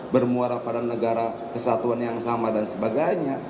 bermuara pada negara kesatuan yang sama dan sebagainya